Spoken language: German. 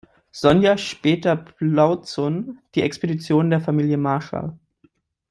Sonja Speeter-Blaudszun: "Die Expeditionen der Familie Marshall.